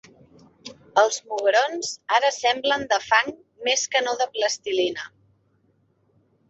Els mugrons ara semblen de fang, més que no de plastilina.